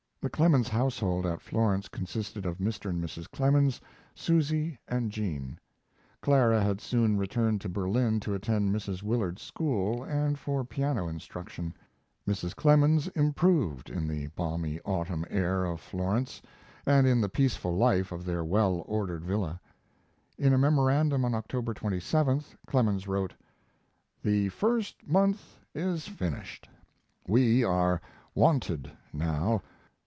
The Clemens household at Florence consisted of Mr. and Mrs. Clemens, Susy, and Jean. Clara had soon returned to Berlin to attend Mrs. Willard's school and for piano instruction. Mrs. Clemens improved in the balmy autumn air of Florence and in the peaceful life of their well ordered villa. In a memorandum of October 27th Clemens wrote: The first month is finished. We are wonted now.